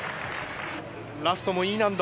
ラストもＥ難度。